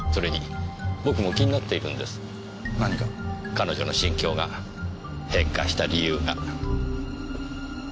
彼女の心境が変化した理由が。